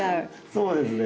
そうですね。